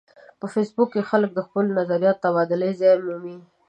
په فېسبوک کې خلک د خپلو نظریاتو د تبادلې ځای مومي